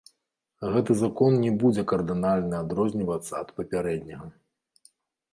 Гэты закон не будзе кардынальна адрознівацца ад папярэдняга.